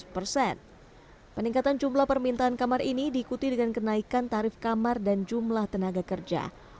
peningkatan jumlah permintaan kamar ini diikuti dengan kenaikan tarif kamar dan jumlah tenaga kerja